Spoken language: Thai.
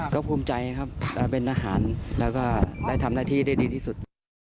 ก็ภูมิใจครับเป็นทหารแล้วก็ได้ทำหน้าที่ได้ดีที่สุด